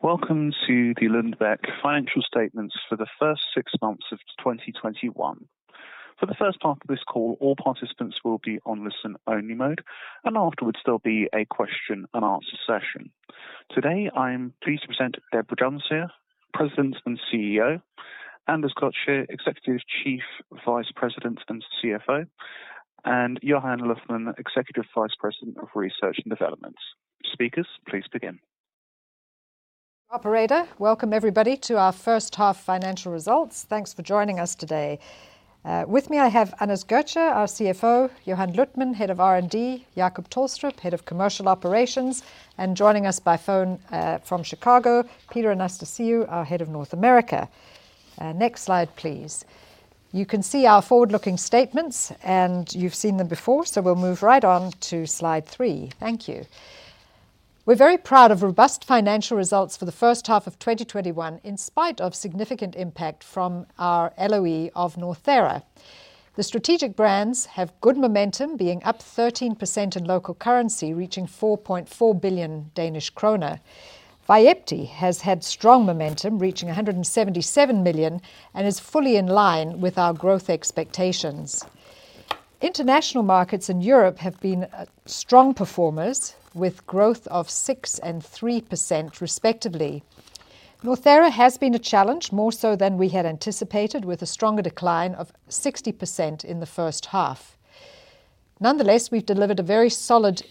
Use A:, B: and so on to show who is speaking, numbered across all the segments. A: Welcome to the Lundbeck financial statements for the first six months of 2021. For the H1 of this call, all participants will be on listen-only mode, and afterwards there will be a question and answer session. Today, I am pleased to present Deborah Dunsire, President and CEO, Anders Götzsche, Executive Vice President and CFO, and Johan Luthman, Executive Vice President of Research and Development. Speakers, please begin.
B: Operator. Welcome everybody to our 1st half financial results. Thanks for joining us today. With me I have Anders Götzsche, our CFO, Johan Luthman, Head of R&D, Jacob Tolstrup, Head of Commercial Operations, and joining us by phone from Chicago, Peter Anastasiou, our Head of North America. Next slide, please. You can see our forward-looking statements, and you've seen them before, so we'll move right on to slide three. Thank you. We're very proud of robust financial results for the 1st half of 2021, in spite of significant impact from our LOE of NORTHERA. The strategic brands have good momentum, being up 13% in local currency, reaching 4.4 billion Danish kroner. VYEPTI has had strong momentum, reaching 177 million, and is fully in line with our growth expectations. International markets in Europe have been strong performers, with growth of 6% and 3%, respectively. NORTHERA has been a challenge, more so than we had anticipated, with a stronger decline of 60% in the H1. We've delivered a very solid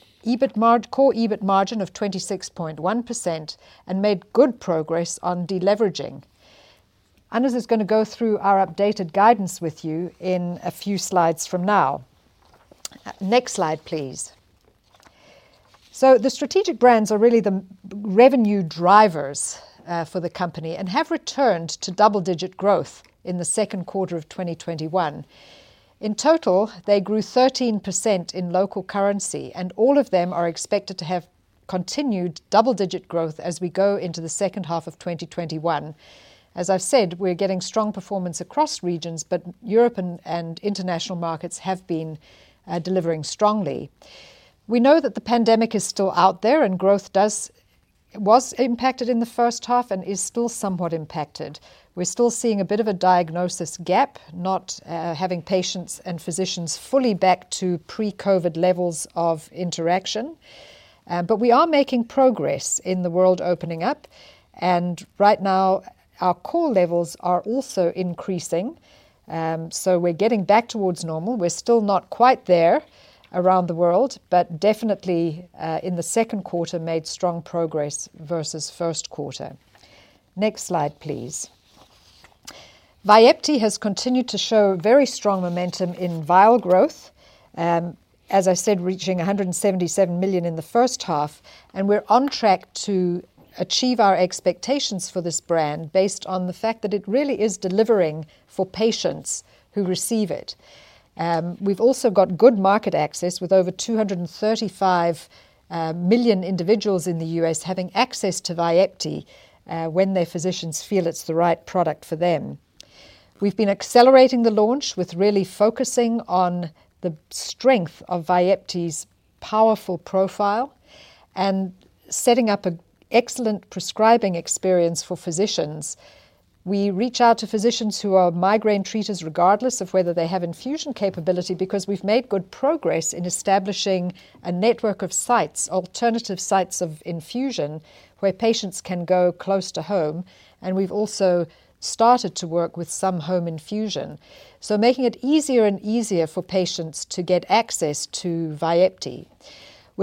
B: Core EBIT margin of 26.1% and made good progress on de-leveraging. Anders is going to go through our updated guidance with you in a few slides from now. Next slide, please. The strategic brands are really the revenue drivers for the company and have returned to double-digit growth in the Q2 of 2021. In total, they grew 13% in local currency. All of them are expected to have continued double-digit growth as we go into the H2 of 2021. As I've said, we're getting strong performance across regions. Europe and international markets have been delivering strongly. We know that the pandemic is still out there. Growth was impacted in the H1 and is still somewhat impacted. We're still seeing a bit of a diagnosis gap, not having patients and physicians fully back to pre-COVID levels of interaction. We are making progress in the world opening up, and right now our call levels are also increasing. We're getting back towards normal. We're still not quite there around the world, but definitely in the Q2 made strong progress versus Q1. Next slide, please. Vyepti has continued to show very strong momentum in vial growth, as I said, reaching 177 million in the H1, and we're on track to achieve our expectations for this brand based on the fact that it really is delivering for patients who receive it. We've also got good market access with over 235 million individuals in the U.S. having access to Vyepti when their physicians feel it's the right product for them. We've been accelerating the launch with really focusing on the strength of Vyepti's powerful profile and setting up an excellent prescribing experience for physicians. We reach out to physicians who are migraine treaters, regardless of whether they have infusion capability, because we've made good progress in establishing a network of sites, alternative sites of infusion, where patients can go close to home, and we've also started to work with some home infusion, so making it easier and easier for patients to get access to Vyepti. We're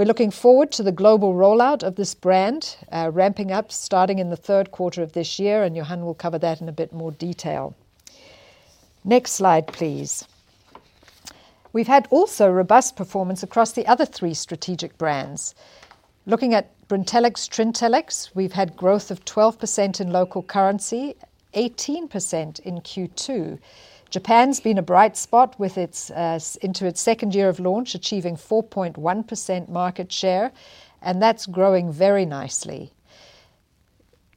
B: looking forward to the global rollout of this brand, ramping up starting in the Q3 of this year. Johan will cover that in a bit more detail. Next slide, please. We've had also robust performance across the other three strategic brands. Looking at Brintellix, TRINTELLIX, we've had growth of 12% in local currency, 18% in Q2. Japan's been a bright spot into its second year of launch, achieving 4.1% market share, that's growing very nicely.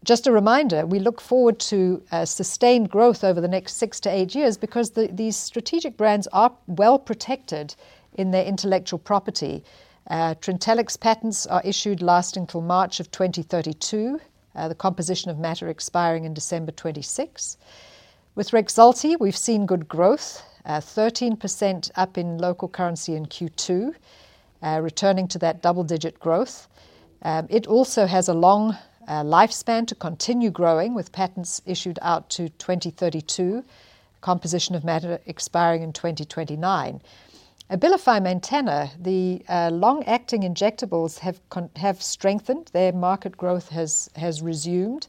B: Just a reminder, we look forward to sustained growth over the next six to eight years because these strategic brands are well protected in their intellectual property. TRINTELLIX patents are issued last until March of 2032, the composition of matter expiring in December 2026. With REXULTI, we've seen good growth, 13% up in local currency in Q2, returning to that double-digit growth. It also has a long lifespan to continue growing, with patents issued out to 2032, composition of matter expiring in 2029. ABILIFY MAINTENA, the long-acting injectables have strengthened. Their market growth has resumed,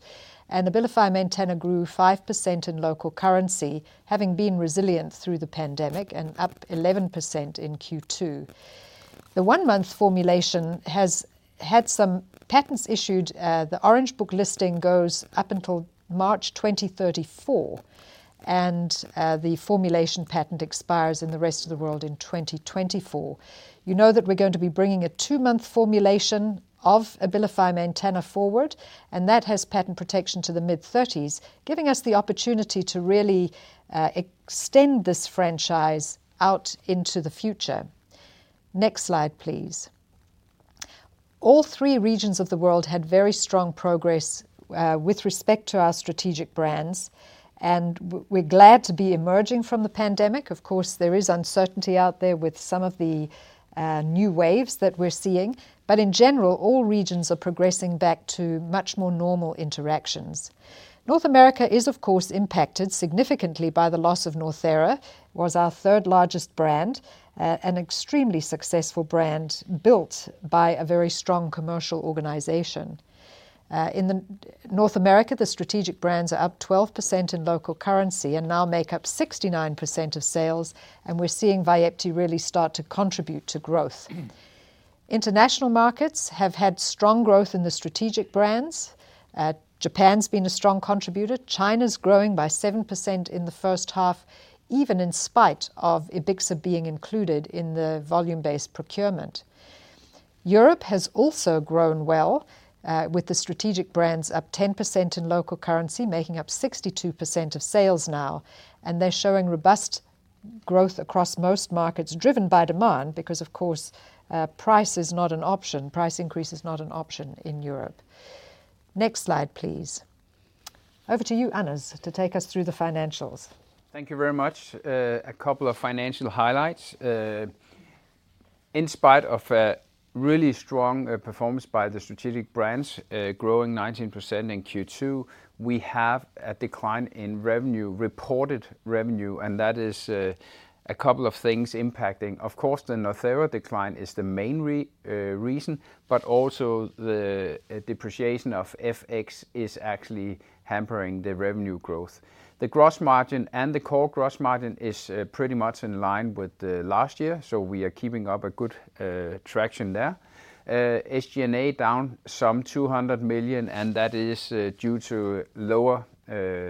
B: ABILIFY MAINTENA grew 5% in local currency, having been resilient through the pandemic, and up 11% in Q2. The one-month formulation has had some patents issued. The Orange Book listing goes up until March 2034, and the formulation patent expires in the rest of the world in 2024. You know that we're going to be bringing a two-month formulation of ABILIFY MAINTENA forward, and that has patent protection to the mid-2030s, giving us the opportunity to really extend this franchise out into the future. Next slide, please. All three regions of the world had very strong progress with respect to our strategic brands, and we're glad to be emerging from the pandemic. There is uncertainty out there with some of the new waves that we're seeing, but in general, all regions are progressing back to much more normal interactions. North America is, of course, impacted significantly by the loss of NORTHERA. It was our 3rd-largest brand, an extremely successful brand built by a very strong commercial organization. In North America, the strategic brands are up 12% in local currency and now make up 69% of sales, and we're seeing VYEPTI really start to contribute to growth. International markets have had strong growth in the strategic brands. Japan's been a strong contributor. China's growing by 7% in the 1st half, even in spite of Ebixa being included in the volume-based procurement. Europe has also grown well, with the strategic brands up 10% in local currency, making up 62% of sales now. They're showing robust growth across most markets, driven by demand, because of course, price increase is not an option in Europe. Next slide, please. Over to you, Anders, to take us through the financials.
C: Thank you very much. A couple of financial highlights. In spite of a really strong performance by the strategic brands, growing 19% in Q2, we have a decline in reported revenue. That is a couple of things impacting. Of course, the NORTHERA decline is the main reason. Also, the depreciation of FX is actually hampering the revenue growth. The gross margin and the core gross margin is pretty much in line with last year. We are keeping up a good traction there. SG&A down some 200 million. That is due to lower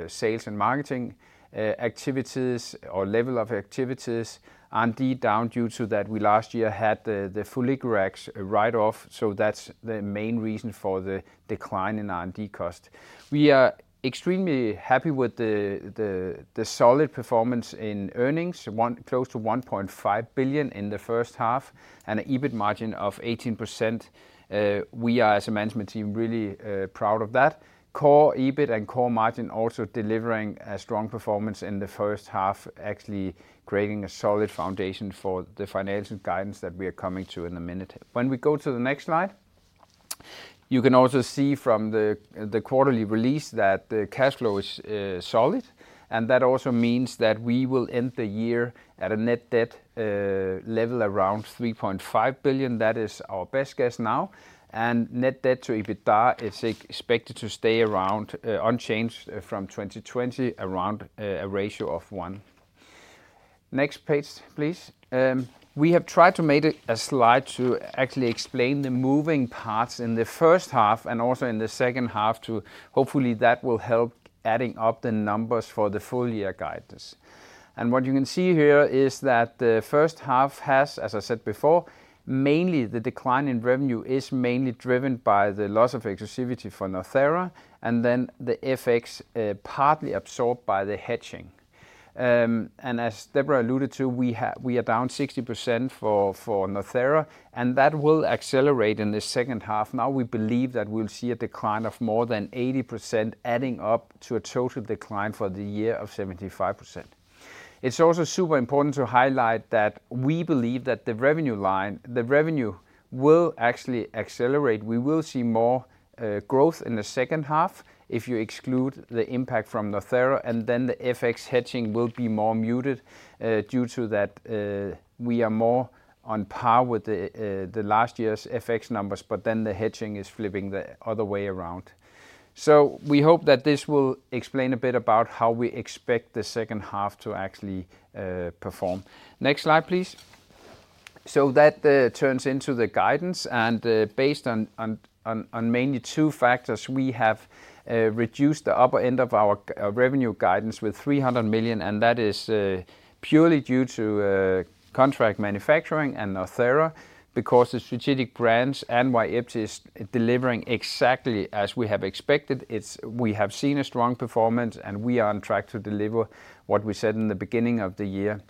C: sales and marketing activities or level of activities. R&D down due to that we last year had the foliglurax write-off. That's the main reason for the decline in R&D cost. We are extremely happy with the solid performance in earnings, close to 1.5 billion in the H1 and an EBIT margin of 18%. We are, as a management team, really proud of that. Core EBIT and core margin also delivering a strong performance in the H1, actually creating a solid foundation for the financial guidance that we are coming to in a minute. We go to the next slide, you can also see from the quarterly release that the cash flow is solid, and that also means that we will end the year at a net debt level around 3.5 billion. That is our best guess now. Net debt to EBITDA is expected to stay unchanged from 2020 around a ratio of one. Next page, please. We have tried to make a slide to actually explain the moving parts in the H1 and also in the H2 to hopefully that will help adding up the numbers for the full year guidance. What you can see here is that the H1 has, as I said before, mainly the decline in revenue is mainly driven by the loss of exclusivity for NORTHERA and then the FX partly absorbed by the hedging. As Deborah alluded to, we are down 60% for NORTHERA, and that will accelerate in the H2. Now we believe that we'll see a decline of more than 80% adding up to a total decline for the year of 75%. It's also super important to highlight that we believe that the revenue will actually accelerate. We will see more growth in the H2 if you exclude the impact from NORTHERA, and then the FX hedging will be more muted due to that we are more on par with the last year's FX numbers, but then the hedging is flipping the other way around. We hope that this will explain a bit about how we expect the H2 to actually perform. Next slide, please. That turns into the guidance, and based on mainly two factors, we have reduced the upper end of our revenue guidance with 300 million, and that is purely due to contract manufacturing and NORTHERA, because the strategic brands and VYEPTI is delivering exactly as we have expected. We have seen a strong performance, and we are on track to deliver what we said in the beginning of the year.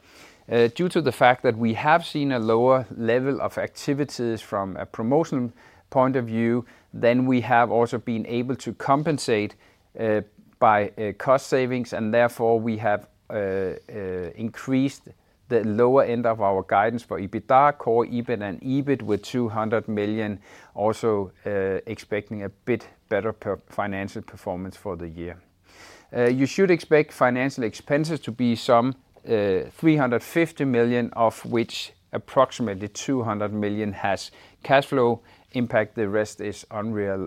C: Due to the fact that we have seen a lower level of activities from a promotion point of view, we have also been able to compensate by cost savings, therefore we have increased the lower end of our guidance for EBITDA, Core EBIT and EBIT with 200 million, also expecting a bit better financial performance for the year. You should expect financial expenses to be some 350 million, of which approximately 200 million has cash flow impact. The rest is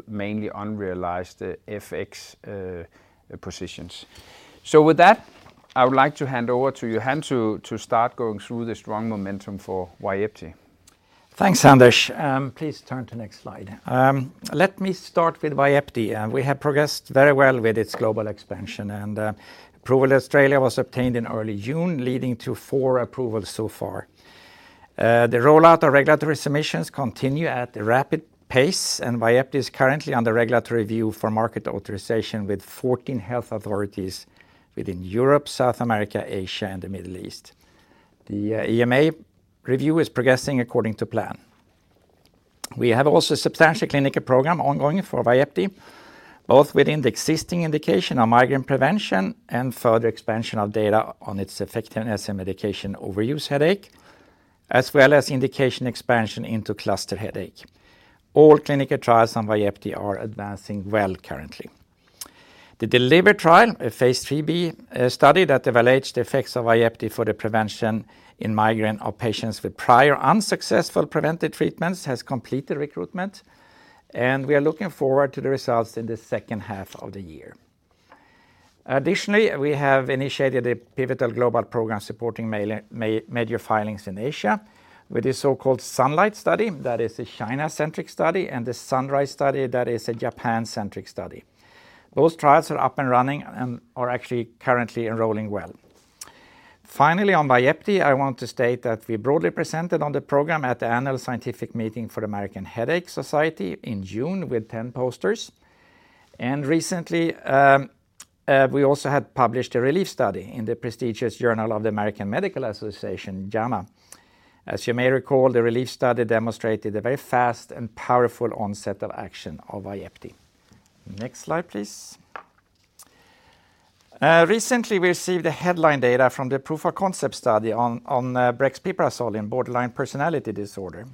C: mainly unrealized FX positions. With that, I would like to hand over to Johan to start going through the strong momentum for VYEPTI.
D: Thanks, Anders. Please turn to next slide. Let me start with VYEPTI. We have progressed very well with its global expansion, and approval Australia was obtained in early June, leading to four approvals so far. The rollout of regulatory submissions continue at a rapid pace, and VYEPTI is currently under regulatory review for market authorization with 14 health authorities within Europe, South America, Asia, and the Middle East. The EMA review is progressing according to plan We have also a substantial clinical program ongoing for VYEPTI, both within the existing indication of migraine prevention and further expansion of data on its effectiveness in medication overuse headache, as well as indication expansion into cluster headache. All clinical trials on VYEPTI are advancing well currently. The DELIVER trial, a phase III-B study that evaluates the effects of VYEPTI for the prevention in migraine of patients with prior unsuccessful preventive treatments, has completed recruitment. We are looking forward to the results in the H2 of the year. Additionally, we have initiated a pivotal global program supporting major filings in Asia with the so-called SUNLIGHT study, that is a China-centric study, and the SUNRISE study, that is a Japan-centric study. Those trials are up and running and are actually currently enrolling well. On VYEPTI, I want to state that we broadly presented on the program at the annual scientific meeting for the American Headache Society in June with 10 posters. Recently, we also had published a RELIEF study in the prestigious Journal of the American Medical Association, JAMA. As you may recall, the RELIEF study demonstrated a very fast and powerful onset of action of VYEPTI. Next slide, please. Recently, we received the headline data from the proof-of-concept study on brexpiprazole in borderline personality disorder.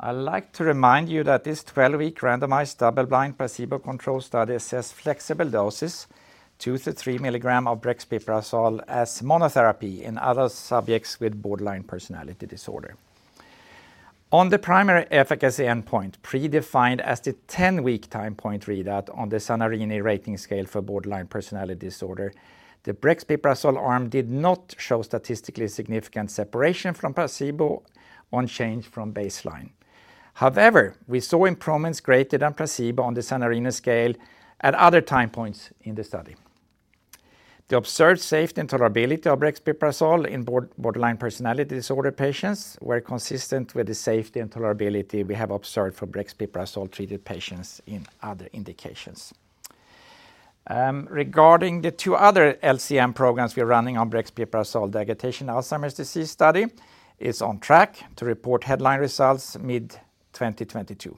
D: I'd like to remind you that this 12-week randomized double-blind placebo-controlled study assessed flexible doses, two to three milligrams of brexpiprazole as monotherapy in other subjects with borderline personality disorder. On the primary efficacy endpoint, predefined as the 10-week timepoint readout on the Zanarini Rating Scale for borderline personality disorder, the brexpiprazole arm did not show statistically significant separation from placebo on change from baseline. However, we saw improvements greater than placebo on the Zanarini Rating Scale at other timepoints in the study. The observed safety and tolerability of brexpiprazole in borderline personality disorder patients were consistent with the safety and tolerability we have observed for brexpiprazole-treated patients in other indications. Regarding the two other LCM programs we are running on brexpiprazole, the agitation Alzheimer's disease study is on track to report headline results mid-2022.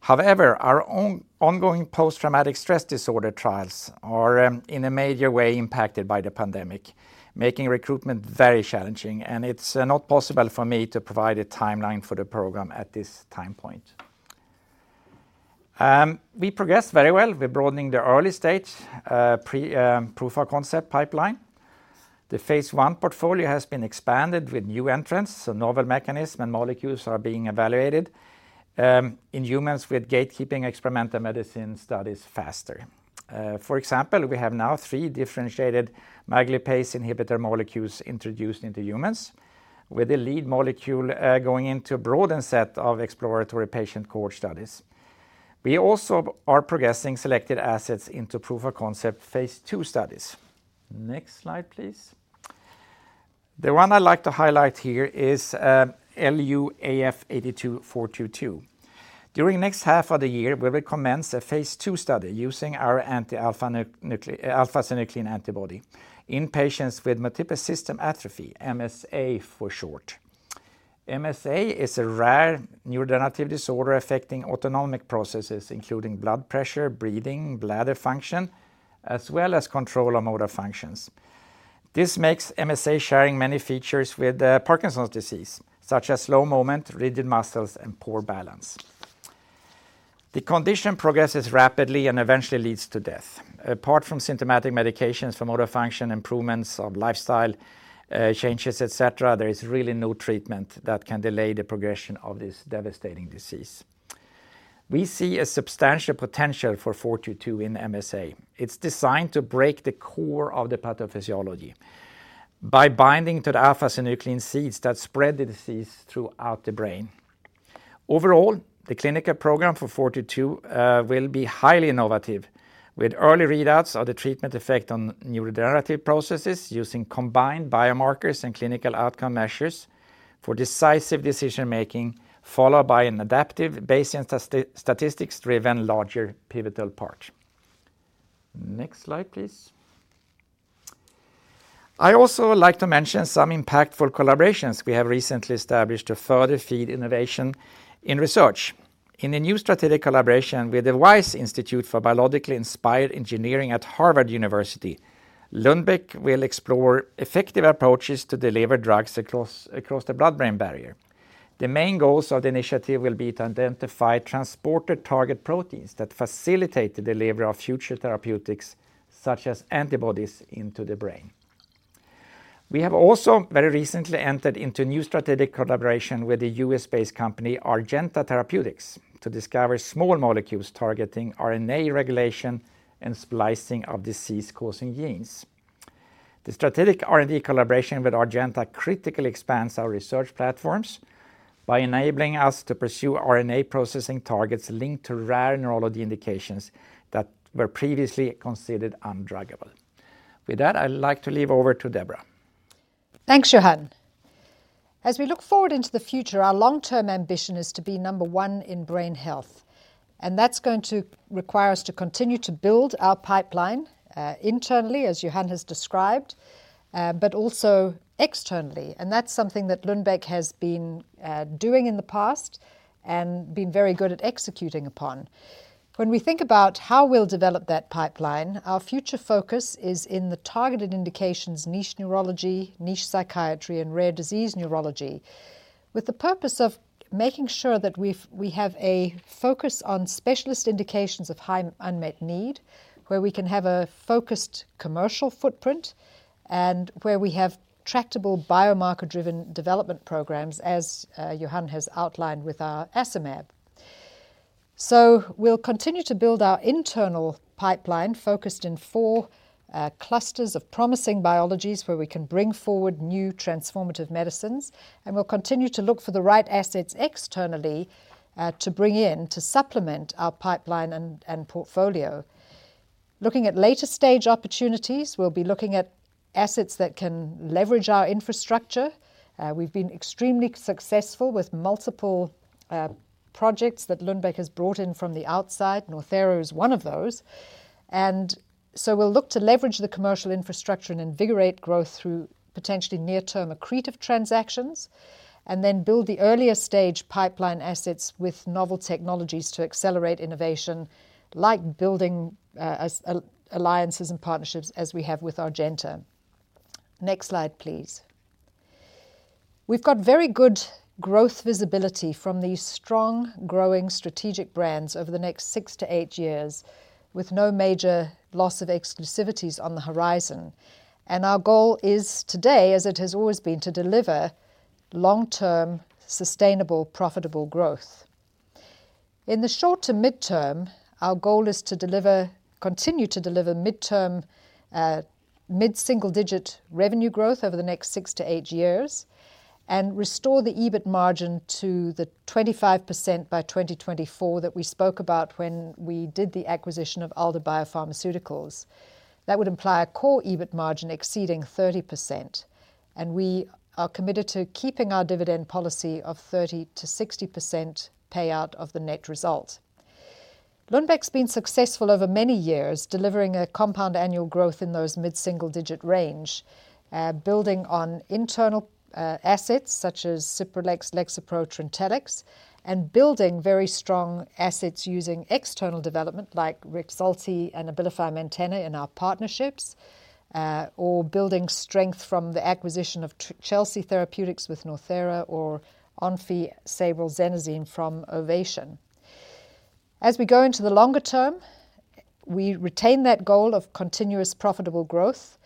D: However, our ongoing post-traumatic stress disorder trials are in a major way impacted by the pandemic, making recruitment very challenging, and it's not possible for me to provide a timeline for the program at this timepoint. We progress very well. We're broadening the early-stage proof-of-concept pipeline. The Phase I portfolio has been expanded with new entrants, novel mechanism and molecules are being evaluated in humans with gatekeeping experimental medicine studies faster. For example, we have now three differentiated MAG lipase inhibitor molecules introduced into humans, with the lead molecule going into a broadened set of exploratory patient cohort studies. We also are progressing selected assets into proof-of-concept phase II studies. Next slide, please. The one I'd like to highlight here is Lu AF82422. During next half of the year, we will commence a phase II study using our anti-alpha-synuclein antibody in patients with multiple system atrophy, MSA for short. MSA is a rare neurodegenerative disorder affecting autonomic processes, including blood pressure, breathing, bladder function, as well as control of motor functions. This makes MSA sharing many features with Parkinson's disease, such as slow movement, rigid muscles, and poor balance. The condition progresses rapidly and eventually leads to death. Apart from symptomatic medications for motor function improvements of lifestyle changes, et cetera, there is really no treatment that can delay the progression of this devastating disease. We see a substantial potential for 422 in MSA. It is designed to break the core of the pathophysiology by binding to the alpha-synuclein seeds that spread the disease throughout the brain. Overall, the clinical program for 422 will be highly innovative, with early readouts of the treatment effect on neurodegenerative processes using combined biomarkers and clinical outcome measures for decisive decision-making, followed by an adaptive, Bayesian statistics-driven larger pivotal part. Next slide, please. I also like to mention some impactful collaborations we have recently established to further feed innovation in research. In a new strategic collaboration with the Wyss Institute for Biologically Inspired Engineering at Harvard University, Lundbeck will explore effective approaches to deliver drugs across the blood-brain barrier. The main goals of the initiative will be to identify transporter target proteins that facilitate the delivery of future therapeutics, such as antibodies into the brain. We have also very recently entered into a new strategic collaboration with the U.S.-based company Rgenta Therapeutics to discover small molecules targeting RNA regulation and splicing of disease-causing genes. The strategic R&D collaboration with Rgenta critically expands our research platforms by enabling us to pursue RNA processing targets linked to rare neurology indications that were previously considered undruggable. With that, I'd like to leave over to Deborah.
B: Thanks, Johan. As we look forward into the future, our long-term ambition is to be number one in brain health. That's going to require us to continue to build our pipeline, internally, as Johan has described, but also externally, and that's something that Lundbeck has been doing in the past and been very good at executing upon. When we think about how we'll develop that pipeline, our future focus is in the targeted indications niche neurology, niche psychiatry, and rare disease neurology, with the purpose of making sure that we have a focus on specialist indications of high unmet need, where we can have a focused commercial footprint and where we have tractable biomarker-driven development programs, as Johan has outlined with our eptinezumab. We'll continue to build our internal pipeline focused in four clusters of promising biologies where we can bring forward new transformative medicines, and we'll continue to look for the right assets externally to bring in to supplement our pipeline and portfolio. Looking at later-stage opportunities, we'll be looking at assets that can leverage our infrastructure. We've been extremely successful with multiple projects that Lundbeck has brought in from the outside. NORTHERA is one of those. We'll look to leverage the commercial infrastructure and invigorate growth through potentially near-term accretive transactions, and then build the earlier-stage pipeline assets with novel technologies to accelerate innovation, like building alliances and partnerships as we have with Rgenta. Next slide, please. We've got very good growth visibility from these strong, growing strategic brands over the next six to eight years, with no major loss of exclusivities on the horizon. Our goal is today, as it has always been, to deliver long-term, sustainable, profitable growth. In the short to midterm, our goal is to continue to deliver mid-single-digit revenue growth over the next six to eight years and restore the EBIT margin to 25% by 2024 that we spoke about when we did the acquisition of Alder BioPharmaceuticals. That would imply a core EBIT margin exceeding 30%, and we are committed to keeping our dividend policy of 30%-60% payout of the net result. Lundbeck's been successful over many years delivering a compound annual growth in those mid-single-digit range, building on internal assets such as Cipralex, Lexapro, TRINTELLIX, and building very strong assets using external development like REXULTI and ABILIFY MAINTENA in our partnerships, or building strength from the acquisition of Chelsea Therapeutics with NORTHERA or ONFI/SABRIL/XENAZINE from Ovation. As we go into the longer term, we retain that goal of continuous profitable growth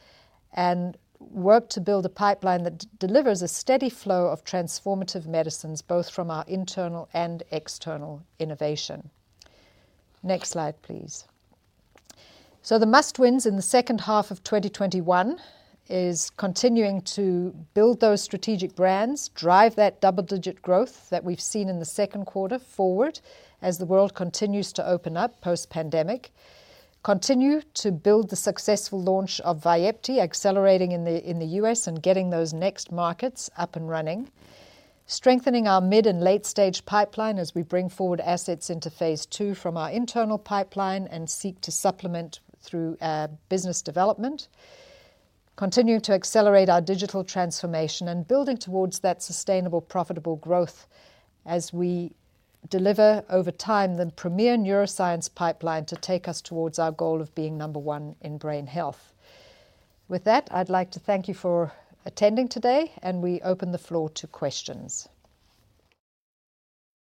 B: and work to build a pipeline that delivers a steady flow of transformative medicines, both from our internal and external innovation. Next slide, please. The must-wins in the H2 of 2021 is continuing to build those strategic brands, drive that double-digit growth that we've seen in the Q2 forward as the world continues to open up post-pandemic. Continue to build the successful launch of VYEPTI, accelerating in the U.S. and getting those next markets up and running. Strengthening our mid and late-stage pipeline as we bring forward assets into phase II from our internal pipeline and seek to supplement through business development. Continuing to accelerate our digital transformation and building towards that sustainable profitable growth as we deliver over time the premier neuroscience pipeline to take us towards our goal of being number one in brain health. With that, I'd like to thank you for attending today, and we open the floor to questions.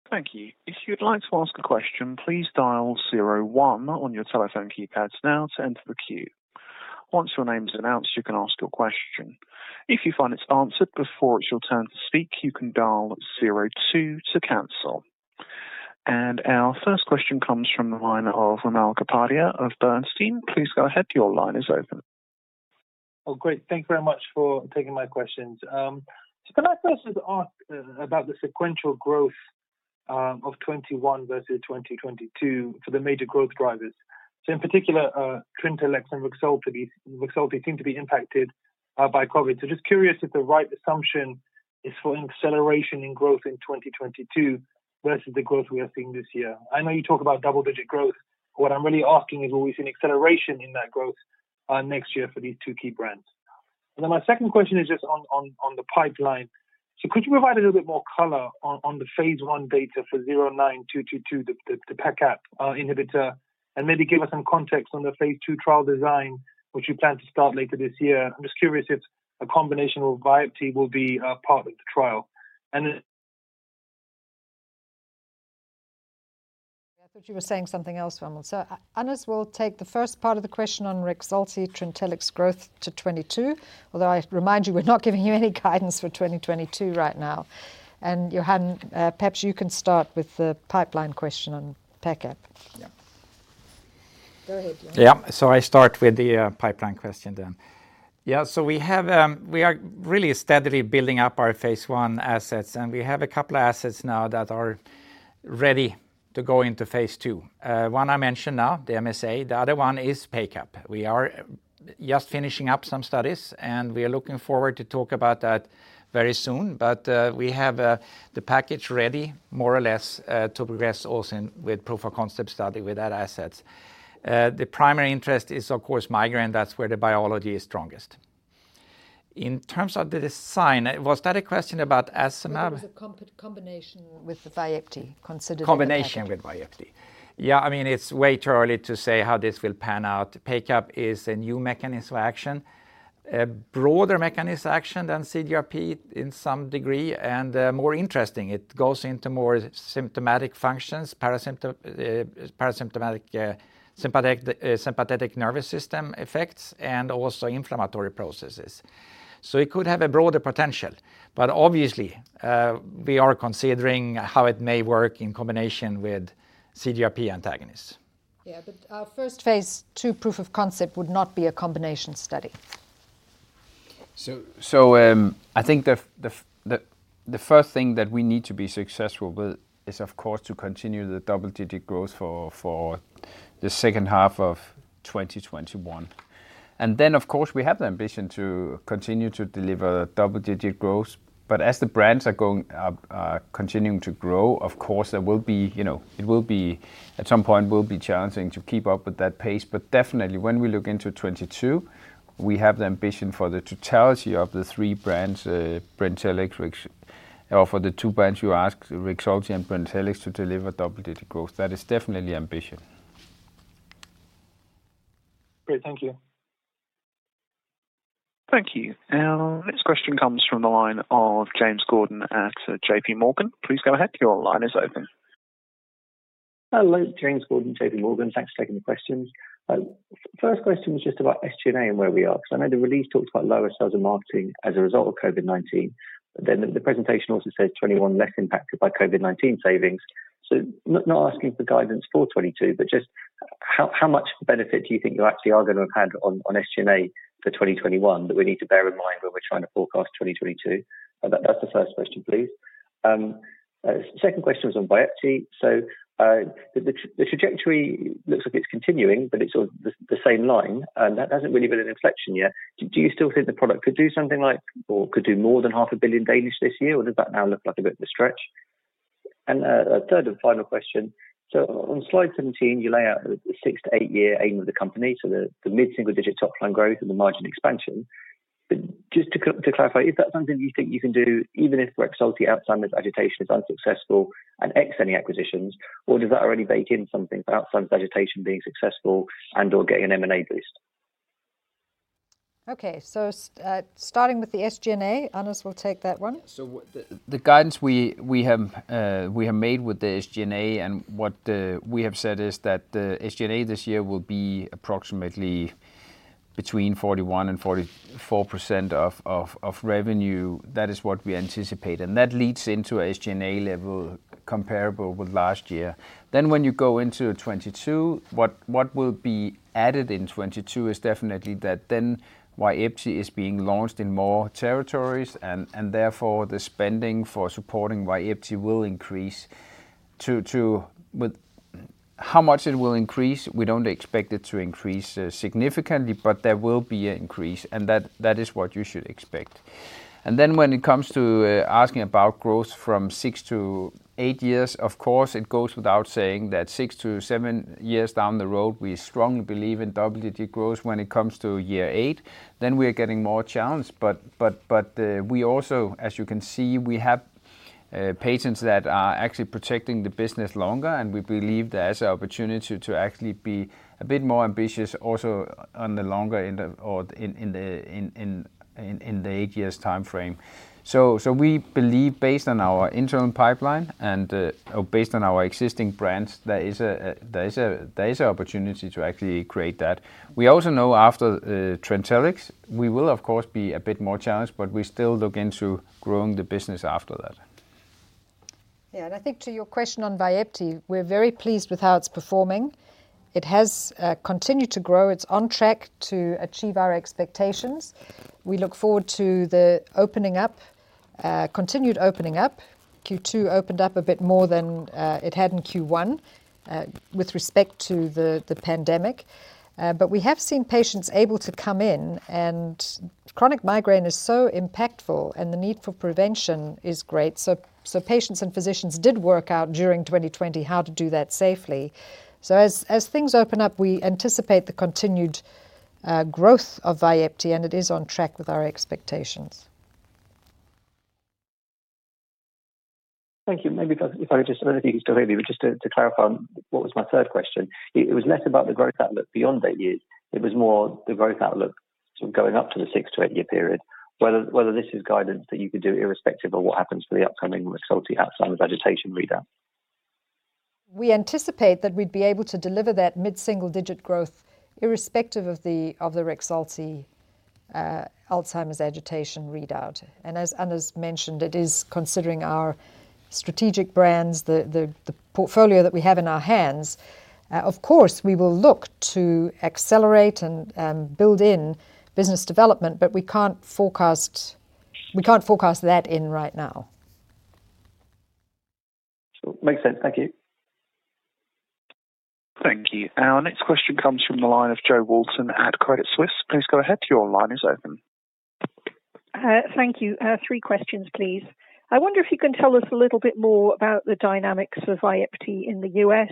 A: Thank you. If you'd like to ask a question, please dial zero one on your telephone keypads now to enter the queue. Once your name is announced, you can ask your question. If you find it's answered before it's your turn to speak, you can dial zero two to cancel. Our first question comes from the line of Wimal Kapadia of Bernstein. Please go ahead. Your line is open.
E: Oh, great. Thank you very much for taking my questions. Can I first just ask about the sequential growth of 2021 versus 2022 for the major growth drivers? In particular, TRINTELLIX and REXULTI seem to be impacted by COVID. Just curious if the right assumption is for an acceleration in growth in 2022 versus the growth we are seeing this year. I know you talk about double-digit growth. What I'm really asking is will we see an acceleration in that growth next year for these two key brands? My second question is just on the pipeline. Could you provide a little bit more color on the phase I data for Lu AG09222, the PACAP inhibitor, and maybe give us some context on the phase II trial design, which you plan to start later this year? I'm just curious if a combination with VYEPTI will be part of the trial?
B: I thought you were saying something else, Wimal. Anders will take the first part of the question on REXULTI, TRINTELLIX growth to 2022. Although I remind you, we're not giving you any guidance for 2022 right now. Johan Luthman, perhaps you can start with the pipeline question on PACAP.
D: Yeah.
B: Go ahead, Johan.
D: Yeah. I start with the pipeline question then. Yeah. We are really steadily building up our phase I assets, and we have a couple assets now that are ready to go into phase II. One I mentioned now, the MSA. The other one is PACAP. We are just finishing up some studies, and we are looking forward to talk about that very soon. We have the package ready more or less to progress also with proof of concept study with that asset. The primary interest is of course migraine. That's where the biology is strongest. In terms of the design, was that a question about MSA?
B: It was a combination with the Vyepti, considering the package.
D: Combination with VYEPTI. Yeah, it's way too early to say how this will pan out. PACAP is a new mechanism of action, a broader mechanism action than CGRP in some degree, and more interesting. It goes into more symptomatic functions, parasympathetic nervous system effects, and also inflammatory processes. It could have a broader potential. Obviously, we are considering how it may work in combination with CGRP antagonists.
B: Yeah, our first phase II proof of concept would not be a combination study.
C: I think the first thing that we need to be successful is of course to continue the double-digit growth for the H2 of 2021. Of course we have the ambition to continue to deliver double-digit growth. As the brands are continuing to grow, of course at some point it will be challenging to keep up with that pace. Definitely when we look into 2022, we have the ambition for the totality of the three brands, or for the two brands you asked, REXULTI and TRINTELLIX, to deliver double-digit growth. That is definitely ambition.
E: Great. Thank you.
A: Thank you. Our next question comes from the line of James Gordon at J.P. Morgan. Please go ahead, your line is open.
F: Hello, James Gordon, J.P. Morgan. Thanks for taking the questions. First question was just about SG&A and where we are, because I know the release talked about lower sales and marketing as a result of COVID-19. The presentation also said 2021 less impacted by COVID-19 savings. Not asking for guidance for 2022, but just how much benefit do you think you actually are going to have had on SG&A for 2021 that we need to bear in mind when we're trying to forecast 2022? That's the first question, please. Second question was on VYEPTI. The trajectory looks like it's continuing, but it's the same line, and that hasn't really been an inflection yet. Do you still think the product could do something like or could do more than half a billion DKK this year, or does that now look like a bit of a stretch? A third and final question. On slide 17, you lay out the six to eight year aim of the company, so the mid-single-digit top line growth and the margin expansion. Just to clarify, is that something you think you can do even if REXULTI Alzheimer's agitation is unsuccessful and X any acquisitions, or does that already bake in something for Alzheimer's agitation being successful and/or getting an M&A boost?
B: Okay. Starting with the SG&A, Anders will take that one.
C: The guidance we have made with the SG&A and what we have said is that the SG&A this year will be approximately between 41%-44% of revenue. That is what we anticipate, and that leads into a SG&A level comparable with last year. When you go into 2022, what will be added in 2022 is definitely that Vyepti is being launched in more territories and therefore the spending for supporting Vyepti will increase. How much it will increase, we don't expect it to increase significantly, but there will be an increase, and that is what you should expect. When it comes to asking about growth from six to eight years, of course it goes without saying that six to seven years down the road, we strongly believe in double-digit growth. When it comes to year eight, we are getting more challenged, but we also, as you can see, we have patients that are actually protecting the business longer, and we believe there's an opportunity to actually be a bit more ambitious also in the eight years timeframe. We believe based on our internal pipeline and based on our existing brands, there is an opportunity to actually create that. We also know after TRINTELLIX, we will of course be a bit more challenged, but we still look into growing the business after that.
B: I think to your question on VYEPTI, we're very pleased with how it's performing. It has continued to grow. It's on track to achieve our expectations. We look forward to the continued opening up. Q2 opened up a bit more than it had in Q1 with respect to the pandemic. We have seen patients able to come in, and chronic migraine is so impactful and the need for prevention is great, so patients and physicians did work out during 2020 how to do that safely. As things open up, we anticipate the continued growth of VYEPTI, and it is on track with our expectations.
F: Thank you. Maybe if I could just, I don't know if you can still hear me, but just to clarify on what was my third question. It was less about the growth outlook beyond eight years. It was more the growth outlook going up to the six to eight-year period, whether this is guidance that you could do irrespective of what happens for the upcoming REXULTI Alzheimer's agitation readout.
B: We anticipate that we'd be able to deliver that mid-single-digit growth irrespective of the REXULTI Alzheimer's agitation readout. As Anders mentioned, it is considering our strategic brands, the portfolio that we have in our hands, of course, we will look to accelerate and build in business development, but we can't forecast that in right now.
F: Sure. Makes sense. Thank you.
A: Thank you. Our next question comes from the line of Jo Walton at Credit Suisse. Please go ahead. Your line is open.
G: Thank you. Three questions, please. I wonder if you can tell us a little bit more about the dynamics of Vyepti in the U.S.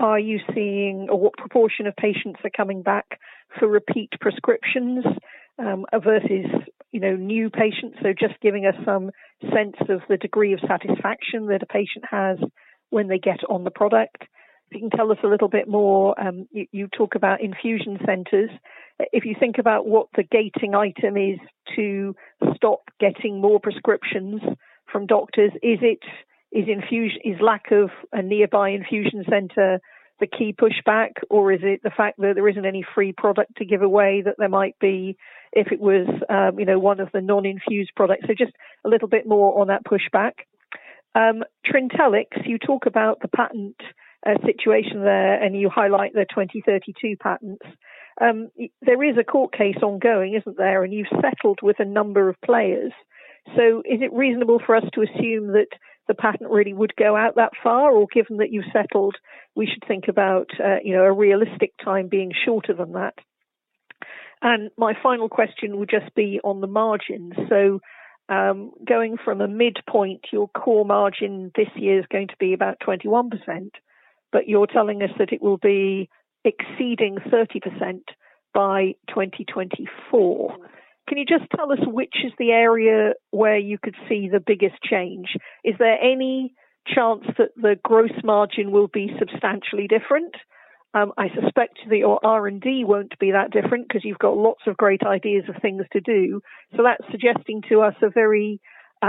G: Are you seeing or what proportion of patients are coming back for repeat prescriptions versus new patients? Just giving us some sense of the degree of satisfaction that a patient has when they get on the product. If you can tell us a little bit more, you talk about infusion centers. If you think about what the gating item is to stop getting more prescriptions from doctors, is lack of a nearby infusion center the key pushback, or is it the fact that there isn't any free product to give away that there might be if it was 1 of the non-infused products? Just a little bit more on that pushback. TRINTELLIX, you talk about the patent situation there, and you highlight the 2032 patents. There is a court case ongoing, isn't there? You've settled with a number of players. Is it reasonable for us to assume that the patent really would go out that far? Given that you've settled, we should think about a realistic time being shorter than that? My final question will just be on the margins. Going from a midpoint, your core margin this year is going to be about 21%, but you're telling us that it will be exceeding 30% by 2024. Can you just tell us which is the area where you could see the biggest change? Is there any chance that the gross margin will be substantially different? I suspect the R&D won't be that different because you've got lots of great ideas of things to do. That's suggesting to us a very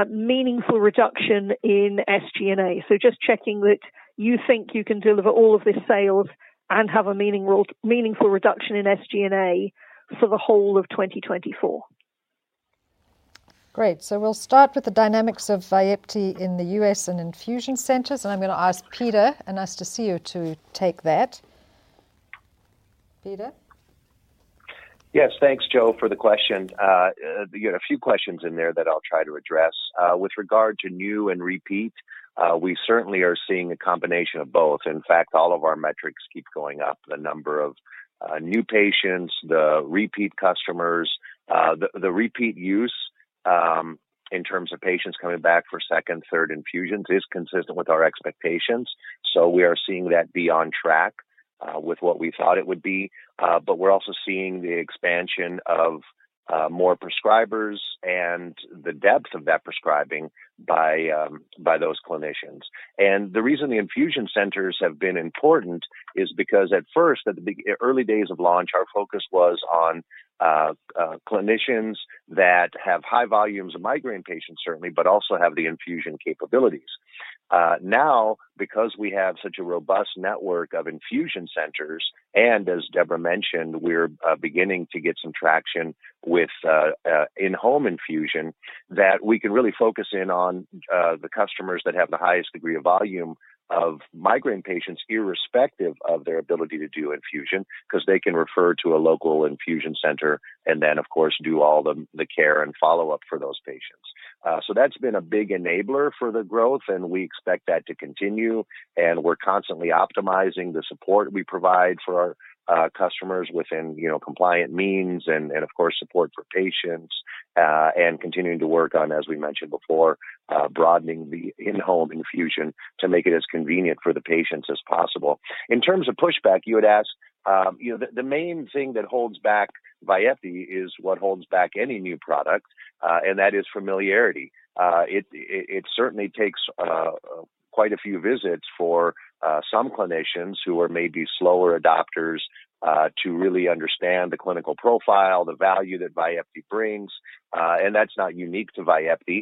G: meaningful reduction in SG&A. Just checking that you think you can deliver all of this sales and have a meaningful reduction in SG&A for the whole of 2024.
B: Great. We'll start with the dynamics of VYEPTI in the U.S. and infusion centers, and I'm going to ask Peter Anastasiou to take that. Peter?
H: Yes. Thanks, Jo, for the question. You had a few questions in there that I'll try to address. With regard to new and repeat, we certainly are seeing a combination of both. In fact, all of our metrics keep going up. The number of new patients, the repeat customers, the repeat use in terms of patients coming back for second, third infusions is consistent with our expectations. We are seeing that be on track with what we thought it would be. We're also seeing the expansion of more prescribers and the depth of that prescribing by those clinicians. The reason the infusion centers have been important is because at first, at the early days of launch, our focus was on clinicians that have high volumes of migraine patients, certainly, but also have the infusion capabilities. Because we have such a robust network of infusion centers, and as Debra mentioned, we're beginning to get some traction with in-home infusion that we can really focus in on the customers that have the highest degree of volume of migraine patients, irrespective of their ability to do infusion, because they can refer to a local infusion center, and then, of course, do all the care and follow-up for those patients. That's been a big enabler for the growth, and we expect that to continue, and we're constantly optimizing the support we provide for our customers within compliant means and of course, support for patients, and continuing to work on, as we mentioned before, broadening the in-home infusion to make it as convenient for the patients as possible. In terms of pushback, you had asked, the main thing that holds back VYEPTI is what holds back any new product, and that is familiarity. It certainly takes quite a few visits for some clinicians who are maybe slower adopters to really understand the clinical profile, the value that VYEPTI brings. That's not unique to VYEPTI.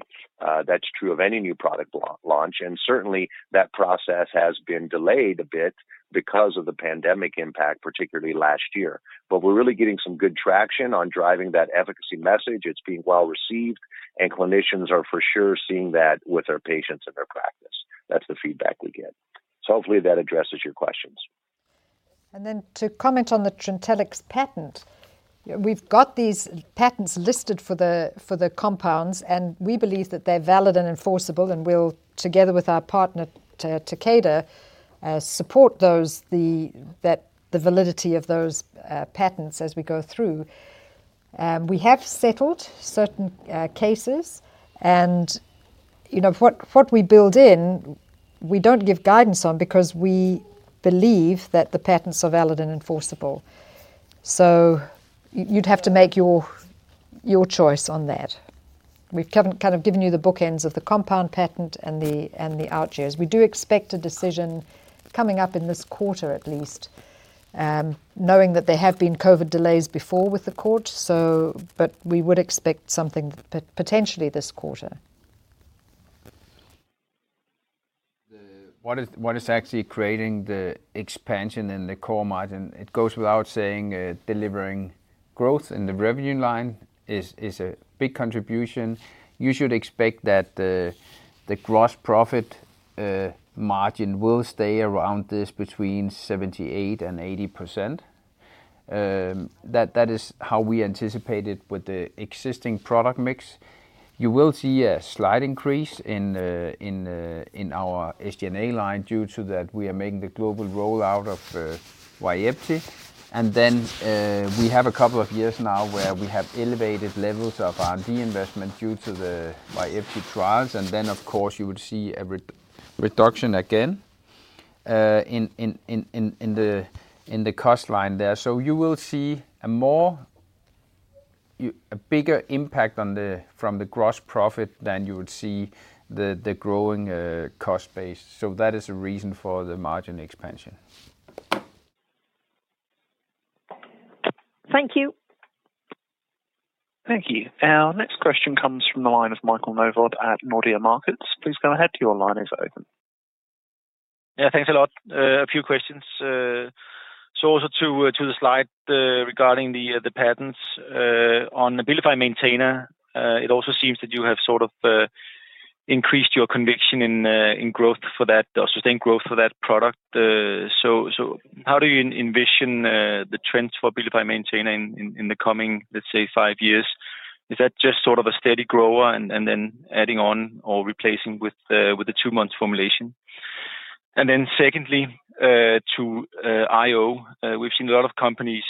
H: That's true of any new product launch. Certainly, that process has been delayed a bit because of the pandemic impact, particularly last year. We're really getting some good traction on driving that efficacy message. It's being well-received, and clinicians are for sure seeing that with their patients and their practice. That's the feedback we get. Hopefully that addresses your questions.
B: To comment on the TRINTELLIX patent, we've got these patents listed for the compounds, and we believe that they're valid and enforceable, and we'll, together with our partner, Takeda, support the validity of those patents as we go through. We have settled certain cases, and what we build in, we don't give guidance on because we believe that the patents are valid and enforceable. You'd have to make your choice on that. We've kind of given you the bookends of the compound patent and the out years. We do expect a decision coming up in this quarter at least, knowing that there have been COVID delays before with the court. We would expect something potentially this quarter.
C: What is actually creating the expansion in the core margin? It goes without saying, delivering growth in the revenue line is a big contribution. You should expect that the gross profit margin will stay around this, between 78% and 80%. That is how we anticipate it with the existing product mix. You will see a slight increase in our SG&A line due to that we are making the global rollout of VYEPTI. We have a couple of years now where we have elevated levels of R&D investment due to the VYEPTI trials, and then of course you would see a reduction again in the cost line there. You will see a bigger impact from the gross profit than you would see the growing cost base. That is a reason for the margin expansion.
G: Thank you.
A: Thank you. Our next question comes from the line of Michael Novod at Nordea Markets. Please go ahead, your line is open.
I: Yeah, thanks a lot. A few questions. Also to the slide regarding the patents on ABILIFY MAINTENA, it also seems that you have sort of increased your conviction in growth for that, or sustained growth for that product. How do you envision the trends for ABILIFY MAINTENA in the coming, let's say, five years? Is that just sort of a steady grower and then adding on or replacing with the two-month formulation? Secondly, to IO, we've seen a lot of companies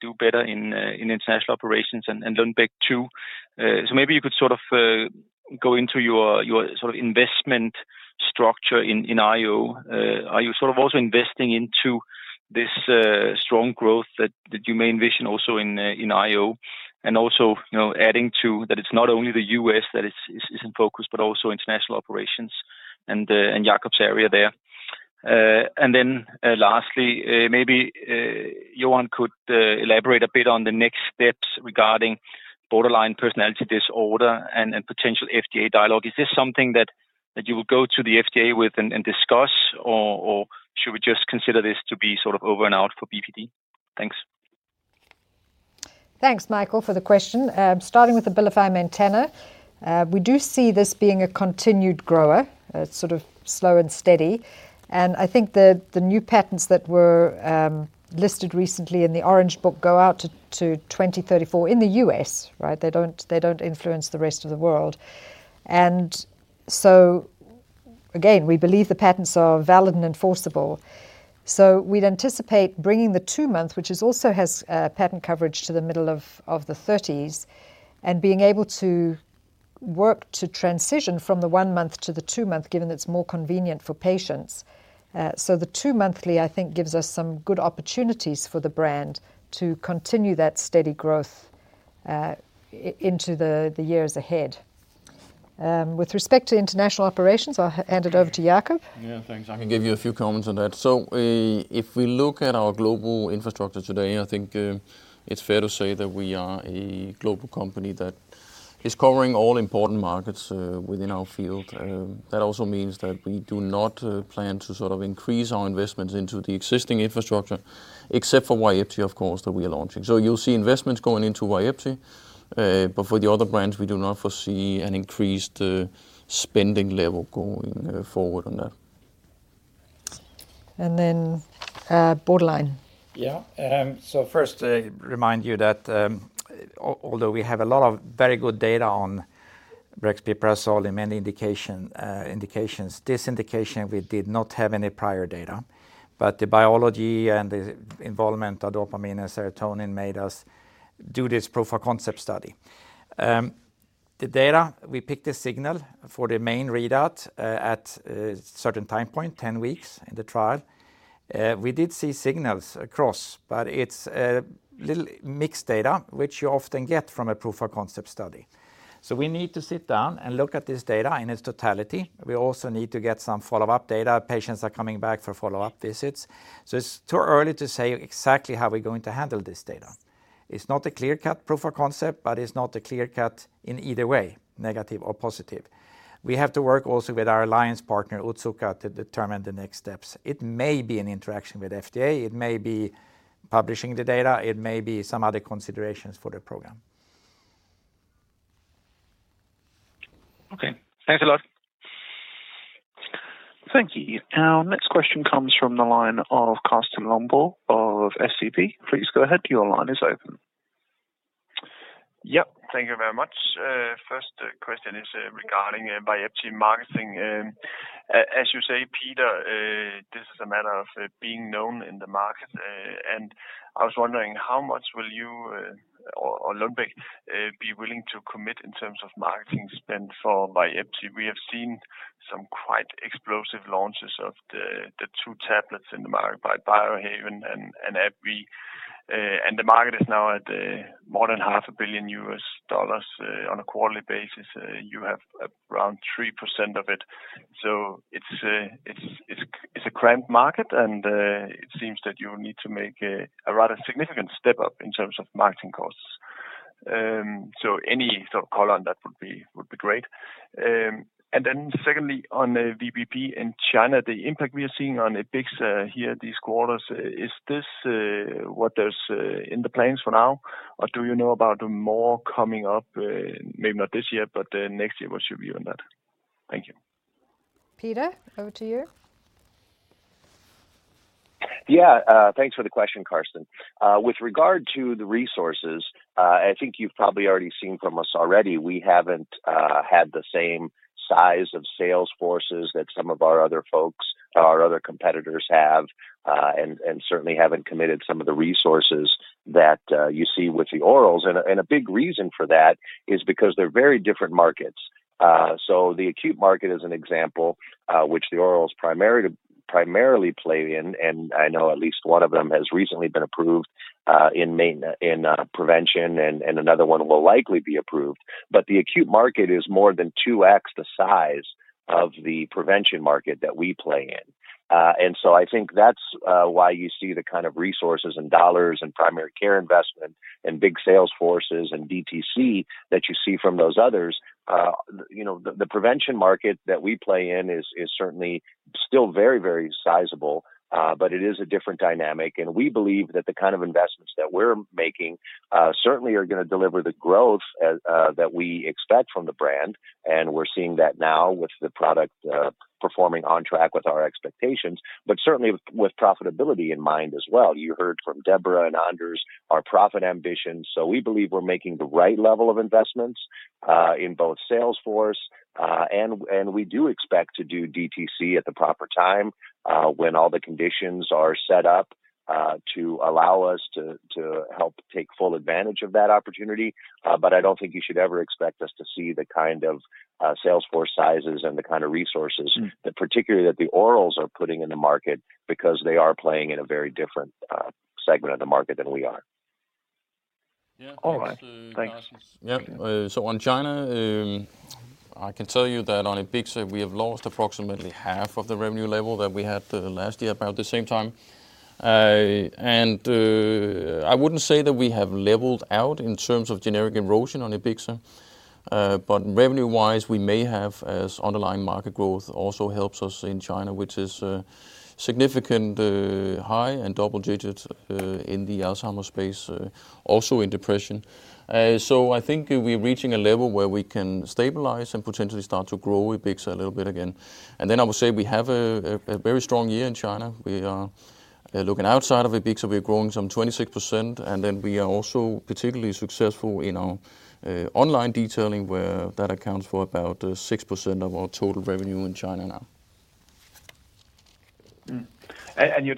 I: do better in international operations and Lundbeck too. Maybe you could sort of go into your investment structure in IO. Are you sort of also investing into this strong growth that you may envision also in IO? Also adding too that it's not only the U.S. that is in focus, but also international operations and Jacob's area there. Lastly, maybe Johan could elaborate a bit on the next steps regarding borderline personality disorder and potential FDA dialogue. Is this something that you will go to the FDA with and discuss, or should we just consider this to be sort of over and out for BPD? Thanks.
B: Thanks, Michael, for the question. Starting with ABILIFY MAINTENA, we do see this being a continued grower, sort of slow and steady. I think the new patents that were listed recently in the Orange Book go out to 2034 in the U.S. They don't influence the rest of the world. Again, we believe the patents are valid and enforceable. We'd anticipate bringing the two-month, which also has patent coverage to the middle of the '30s, and being able to work to transition from the one-month to the two-month, given that it's more convenient for patients. The two-monthly, I think, gives us some good opportunities for the brand to continue that steady growth into the years ahead. With respect to international operations, I'll hand it over to Jacob.
J: Yeah, thanks. I can give you a few comments on that. If we look at our global infrastructure today, I think it's fair to say that we are a global company that is covering all important markets within our field. That also means that we do not plan to increase our investments into the existing infrastructure, except for VYEPTI, of course, that we are launching. You'll see investments going into VYEPTI, but for the other brands, we do not foresee an increased spending level going forward on that.
B: Borderline.
D: Yeah. First, remind you that although we have a lot of very good data on brexpiprazole in many indications, this indication we did not have any prior data. The biology and the involvement of dopamine and serotonin made us do this proof of concept study. The data, we picked a signal for the main readout at a certain time point, 10 weeks in the trial. We did see signals across, but it's a little mixed data, which you often get from a proof of concept study. We need to sit down and look at this data in its totality. We also need to get some follow-up data. Patients are coming back for follow-up visits. It's too early to say exactly how we're going to handle this data. It's not a clear-cut proof of concept, but it's not a clear cut in either way, negative or positive. We have to work also with our alliance partner, Otsuka, to determine the next steps. It may be an interaction with FDA, it may be publishing the data, it may be some other considerations for the program.
I: Okay. Thanks a lot.
A: Thank you. Our next question comes from the line of Carsten Lønborg of SEB. Please go ahead, your line is open.
K: Yeah. Thank you very much. First question is regarding VYEPTI marketing. As you say, Peter, this is a matter of being known in the market. I was wondering, how much will you or Lundbeck be willing to commit in terms of marketing spend for VYEPTI? We have seen some quite explosive launches of the two tablets in the market by Biohaven and AbbVie. The market is now at more than half a billion U.S. dollars on a quarterly basis. You have around 3% of it. It's a cramped market, and it seems that you need to make a rather significant step up in terms of marketing costs. Any sort of color on that would be great. Secondly, on the VBP in China, the impact we are seeing on Ebixa here these quarters, is this what is in the plans for now, or do you know about more coming up, maybe not this year, but next year? What's your view on that? Thank you.
B: Peter, over to you.
H: Thanks for the question, Carsten. With regard to the resources, I think you've probably already seen from us already, we haven't had the same size of sales forces that some of our other folks, our other competitors have, and certainly haven't committed some of the resources that you see with the orals. A big reason for that is because they're very different markets. The acute market is an example, which the orals primarily play in, and I know at least one of them has recently been approved in prevention, and another one will likely be approved. The acute market is more than 2x the size of the prevention market that we play in. I think that's why you see the kind of resources and dollars and primary care investment and big sales forces and DTC that you see from those others. The prevention market that we play in is certainly still very, very sizable, but it is a different dynamic, and we believe that the kind of investments that we're making certainly are going to deliver the growth that we expect from the brand. We're seeing that now with the product performing on track with our expectations, but certainly with profitability in mind as well. You heard from Deborah Dunsire and Anders Götzsche our profit ambitions. We believe we're making the right level of investments, in both sales force. We do expect to do DTC at the proper time, when all the conditions are set up to allow us to help take full advantage of that opportunity. I don't think you should ever expect us to see the kind of sales force sizes and the kind of resources that particularly that the orals are putting in the market, because they are playing in a very different segment of the market than we are.
K: Yeah. Thanks.
H: All right. Thanks.
J: Yeah. On China, I can tell you that on Ebixa, we have lost approximately half of the revenue level that we had last year about the same time. I wouldn't say that we have leveled out in terms of generic erosion on Ebixa. Revenue-wise, we may have as underlying market growth also helps us in China, which is significantly high and double digits in the Alzheimer's space, also in depression. I think we're reaching a level where we can stabilize and potentially start to grow Ebixa a little bit again. I would say we have a very strong year in China. We are looking outside of Ebixa, we're growing some 26%, and we are also particularly successful in our online detailing where that accounts for about 6% of our total revenue in China now.
K: You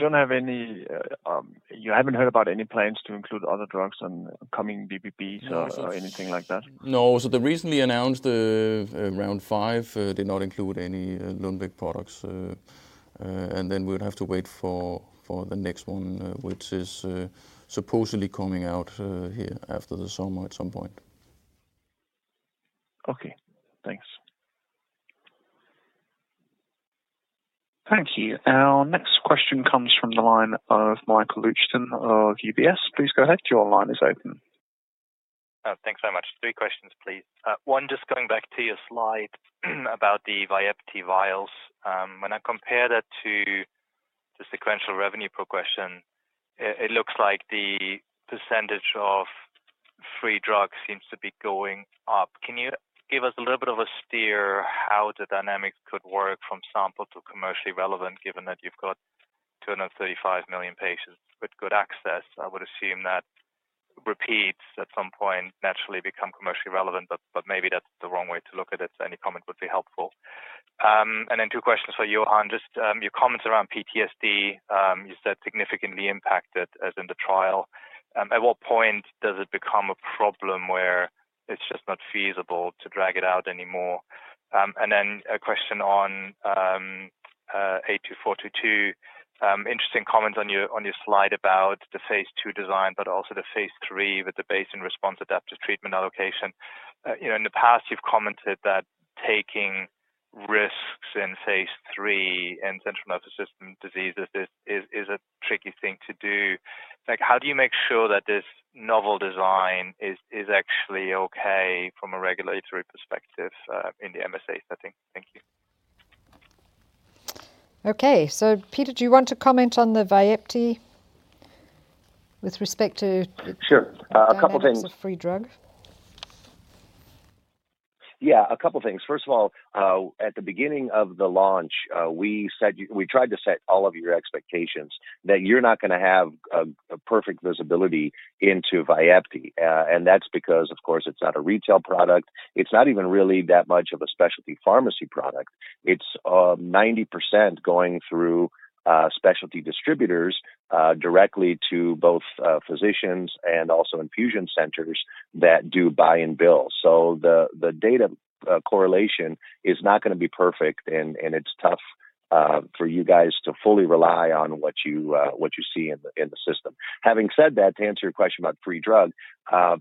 K: haven't heard about any plans to include other drugs on coming VBPs or anything like that?
J: No. The recently announced round five did not include any Lundbeck products. Then we would have to wait for the next one, which is supposedly coming out here after the summer at some point.
K: Okay, thanks.
A: Thank you. Our next question comes from the line of Michael Leuchten of UBS. Please go ahead. Your line is open.
L: Thanks very much. three questions, please. One, just going back to your slide about the VYEPTI vials. When I compare that to the sequential revenue progression, it looks like the percentage of free drugs seems to be going up. Can you give us a little bit of a steer how the dynamics could work from sample to commercially relevant, given that you've got 235 million patients with good access? I would assume that repeats at some point naturally become commercially relevant, but maybe that's the wrong way to look at it. Any comment would be helpful. Then two questions for you, Johan. Just your comments around PTSD, you said significantly impacted as in the trial. At what point does it become a problem where it's just not feasible to drag it out anymore? Then a question on 82422. Interesting comment on your slide about the phase II design, also the phase III with the Bayesian response adaptive treatment allocation. In the past you've commented that taking risks in phase III in central nervous system diseases is a tricky thing to do. How do you make sure that this novel design is actually okay from a regulatory perspective in the MSA setting? Thank you.
B: Okay. Peter, do you want to comment on the VYEPTI?
H: Sure. A couple things.
B: dynamics of free drug?
H: A couple things. First of all, at the beginning of the launch, we tried to set all of your expectations that you're not going to have a perfect visibility into VYEPTI. That's because, of course, it's not a retail product. It's not even really that much of a specialty pharmacy product. It's 90% going through specialty distributors directly to both physicians and also infusion centers that do buy and bill. The data correlation is not going to be perfect, and it's tough for you guys to fully rely on what you see in the system. Having said that, to answer your question about free drug,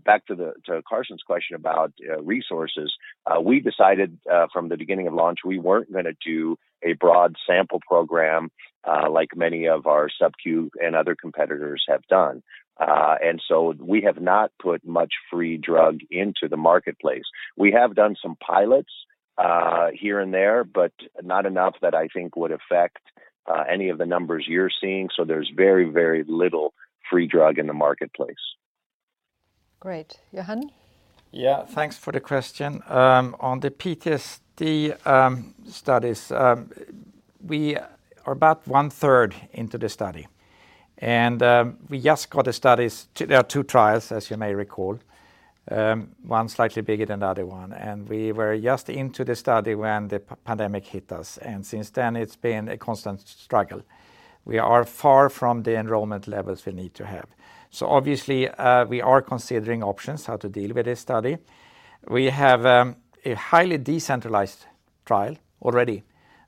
H: back to Carsten's question about resources. We decided from the beginning of launch we weren't going to do a broad sample program like many of our subQ and other competitors have done. We have not put much free drug into the marketplace. We have done some pilots here and there, but not enough that I think would affect any of the numbers you're seeing. There's very, very little free drug in the marketplace.
B: Great. Johan?
D: Yeah. Thanks for the question. On the PTSD studies, we are about one-third into the study. There are two trials, as you may recall, one slightly bigger than the other one, and we were just into the study when the pandemic hit us, and since then it's been a constant struggle. We are far from the enrollment levels we need to have. Obviously, we are considering options how to deal with this study. We have a highly decentralized trial already.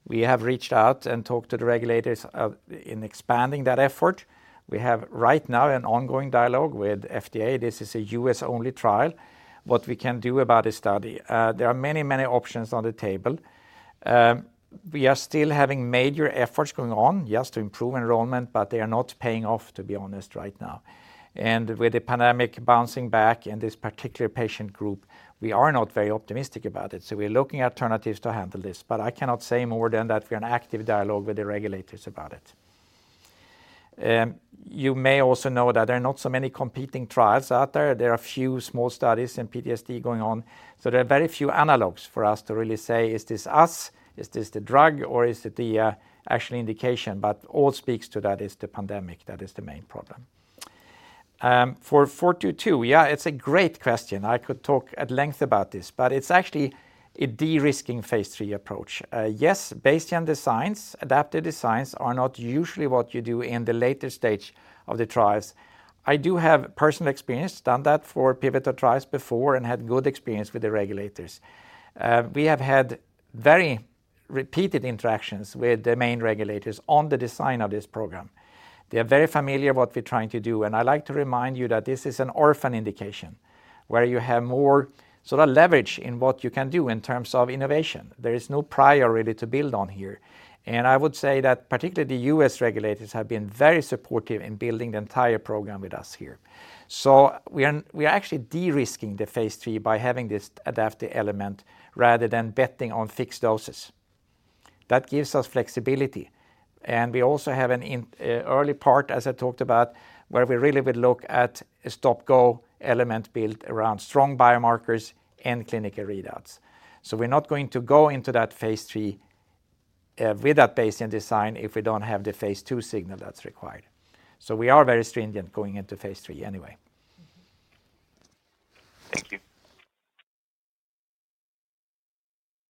D: We have reached out and talked to the regulators in expanding that effort. We have, right now, an ongoing dialogue with FDA, this is a U.S.-only trial, what we can do about this study. There are many, many options on the table. We are still having major efforts going on, yes, to improve enrollment, but they are not paying off, to be honest right now. With the pandemic bouncing back in this particular patient group, we are not very optimistic about it, so we're looking at alternatives to handle this. I cannot say more than that we are in active dialogue with the regulators about it. You may also know that there are not so many competing trials out there. There are a few small studies in PTSD going on, so there are very few analogs for us to really say, "Is this us? Is this the drug, or is it the actual indication?" All speaks to that is the pandemic. That is the main problem. For 422, yeah, it's a great question. I could talk at length about this, but it's actually a de-risking phase III approach. Yes, Bayesian designs, adaptive designs are not usually what you do in the later stage of the trials. I do have personal experience, done that for pivotal trials before, and had good experience with the regulators. We have had very repeated interactions with the main regulators on the design of this program. They are very familiar what we're trying to do, and I like to remind you that this is an orphan indication, where you have more leverage in what you can do in terms of innovation. There is no prior really to build on here. I would say that particularly U.S. regulators have been very supportive in building the entire program with us here. We are actually de-risking the phase III by having this adaptive element rather than betting on fixed doses. That gives us flexibility, and we also have an early part, as I talked about, where we really would look at a stop-go element built around strong biomarkers and clinical readouts. We're not going to go into that phase III with that Bayesian design if we don't have the phase II signal that's required. We are very stringent going into phase III anyway.
L: Thank you.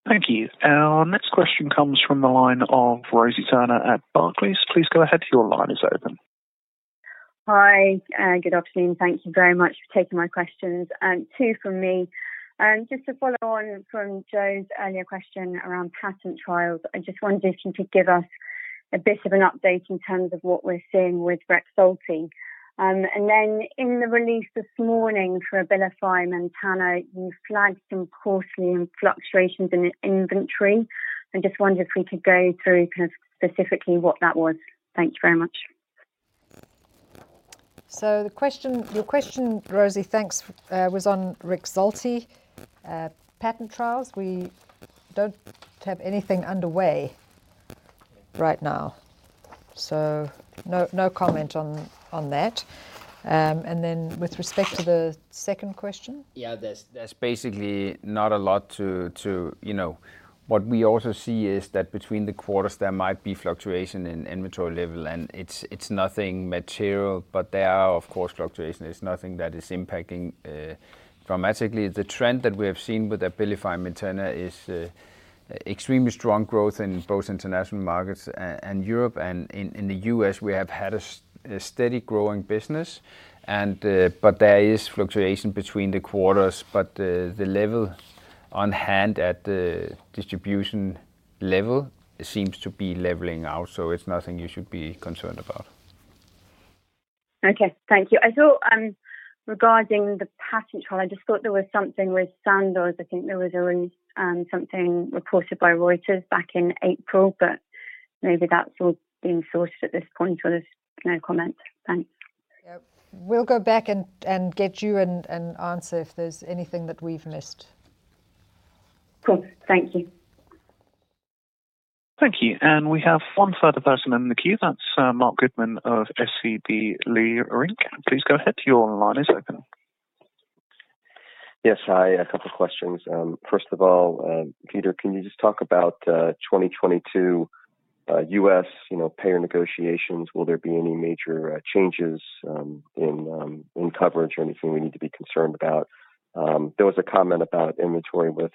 A: Thank you. Our next question comes from the line of Rosie Turner at Barclays. Please go ahead, your line is open.
M: Hi, good afternoon. Thank you very much for taking my questions. Two from me. Just to follow on from Jo's earlier question around patent trials, I just wondered if you could give us a bit of an update in terms of what we're seeing with REXULTI. Then in the release this morning for ABILIFY MAINTENA, you flagged some quarterly fluctuations in the inventory. I just wondered if we could go through specifically what that was. Thank you very much.
B: Your question, Rosie, thanks, was on REXULTI patent trials. We don't have anything underway right now, so no comment on that. Then with respect to the second question?
C: Yeah. What we also see is that between the quarters, there might be fluctuation in inventory level, and it's nothing material, but there are, of course, fluctuations. It's nothing that is impacting dramatically. The trend that we have seen with ABILIFY MAINTENA is extremely strong growth in both international markets and Europe, and in the U.S., we have had a steady growing business. There is fluctuation between the quarters, but the level on hand at the distribution level seems to be leveling out, so it's nothing you should be concerned about.
M: Okay. Thank you. I thought regarding the patent trial, I just thought there was something with Sandoz. I think there was something reported by Reuters back in April. Maybe that's all been sorted at this point, or there's no comment. Thanks.
B: We'll go back and get you an answer if there's anything that we've missed.
M: Cool. Thank you.
A: Thank you. We have one further person in the queue, that's Marc Goodman of SVB Leerink. Please go ahead. Your line is open.
N: Yes, hi. A couple questions. First of all, Peter, can you just talk about 2022 U.S. payer negotiations? Will there be any major changes in coverage or anything we need to be concerned about? There was a comment about inventory with